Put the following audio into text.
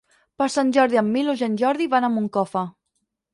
Per Sant Jordi en Milos i en Jordi van a Moncofa.